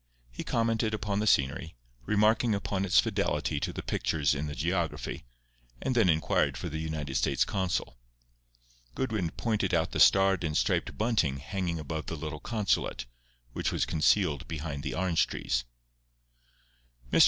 He commented upon the scenery, remarking upon its fidelity to the pictures in the geography; and then inquired for the United States consul. Goodwin pointed out the starred and striped bunting hanging above the little consulate, which was concealed behind the orange trees. "Mr.